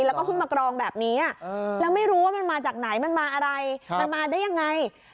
แล้วก็เพิ่งมากรองแบบนี้แล้วไม่รู้ว่ามันมาจากไหนมันมาอะไรมันมาได้ยังไง